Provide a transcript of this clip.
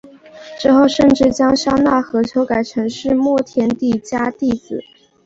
之后甚至将商那和修改成是末田底迦弟子。